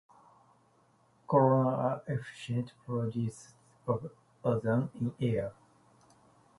Coronas are efficient producers of ozone in air.